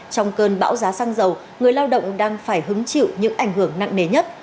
trong cơn bão giá xăng dầu người lao động đang phải hứng chịu những ảnh hưởng nặng nề nhất